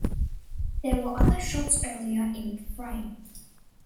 There were other shots earlier in the frame.